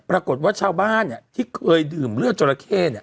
ปรากฏว่าชาวบ้านที่เคยดื่มเลือดจราเข้เนี่ย